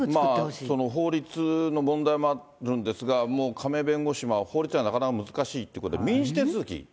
法律の問題もあるんですが、もう亀井弁護士も法律ではなかなか難しいということで、民事手続き。